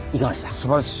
すばらしい！